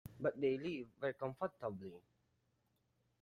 But they live very comfortably.